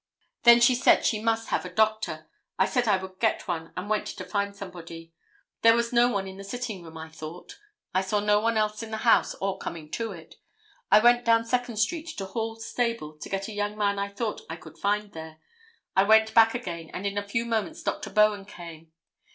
Then she said she must have a doctor. I said I would get one, and went to find somebody. There was no one in the sitting room I thought. I saw no one else in the house or coming to it. I went down Second street to Hall's stable to get a young man I thought I could find there. I went back again, and in a few moments Dr. Bowen came.